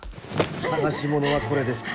探し物はこれですか？